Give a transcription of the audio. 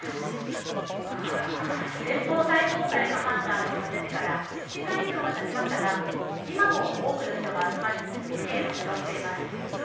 連邦最高裁の判断が出てから８時間以上がたちましたが、今も多くの人が集まり、意見を主張しています。